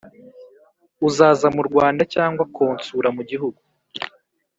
Uzaza mu Rwanda cyangwa konsura mu gihugu